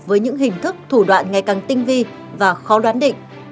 với những hình thức thủ đoạn ngày càng tinh vi và khó đoán định